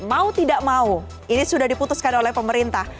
mau tidak mau ini sudah diputuskan oleh pemerintah